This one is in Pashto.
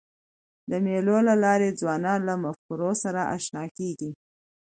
د مېلو له لاري ځوانان له مفکورو سره اشنا کېږي.